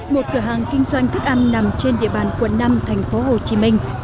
một cửa hàng kinh doanh thức ăn nằm trên địa bàn quận năm thành phố hồ chí minh